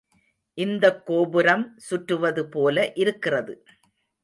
இந்தக் கோபுரம் சுற்றுவதுபோல இருக்கிறது.